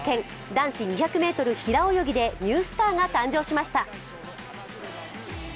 男子２００ｍ平泳ぎでニュースターが誕生しました。